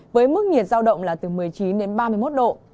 với mức nhiệt giao động là từ một mươi chín đến ba mươi một độ